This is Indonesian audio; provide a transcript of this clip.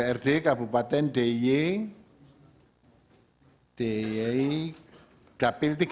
dprd kabupaten diyay dapiltika